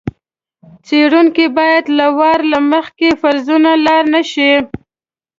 څېړونکی باید له وار له مخکې فرضونو لاړ نه شي.